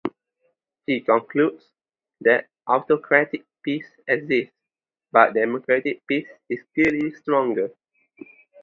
He concludes that autocratic peace exists, but democratic peace is clearly stronger.